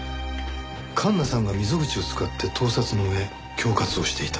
環那さんが溝口を使って盗撮の上恐喝をしていた。